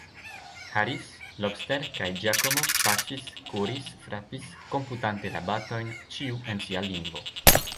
Harris, Lobster kaj Giacomo pafis, kuris, frapis, komputante la batojn, ĉiu en sia lingvo.